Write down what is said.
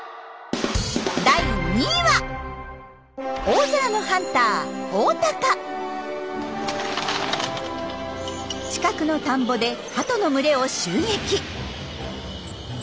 大空のハンター近くの田んぼでハトの群れを襲撃。